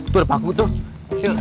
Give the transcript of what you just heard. tuh lepak gue tuh